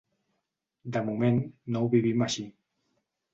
De moment, no ho vivim així.